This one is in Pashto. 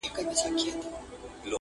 د وخت د ځينو سياسي کسانو کورونه هم وه